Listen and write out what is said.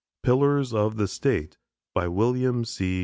PILLARS OF THE STATE WILLIAM C.